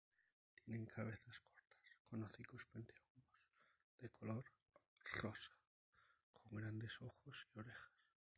Tienen cabezas cortas con hocicos puntiagudos de color rosa, con grandes ojos y orejas.